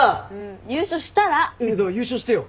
優勝してよ。